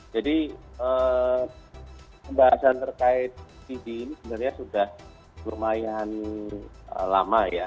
jadi pembahasan terkait subsidi ini sebenarnya sudah lumayan lama ya